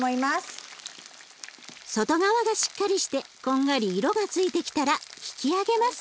外側がしっかりしてこんがり色がついてきたら引き上げます。